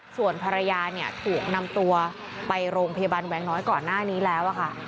ส่วนภรรยาเนี่ยถูกนำตัวไปโรงพยาบาลแวงน้อยก่อนหน้านี้แล้วค่ะ